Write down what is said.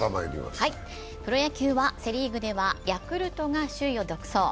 プロ野球はセ・リーグではヤクルトが首位を独走。